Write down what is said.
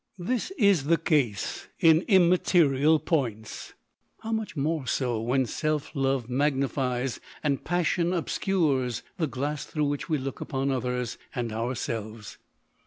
This is the case in imma terial points; how much more so, when self love magnifies, and passion obscures, the glass through which we look upon others and our selves.